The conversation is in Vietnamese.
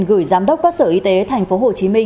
gửi giám đốc quát sở y tế tp hcm